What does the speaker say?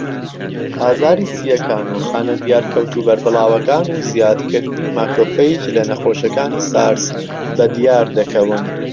ئازاری سییەکان و خانە دیارکەوتوو بەربڵاوەکان و زیادکردنی ماکرۆفەیج لە نەخۆشەکانی سارس بەدیاردەکەون.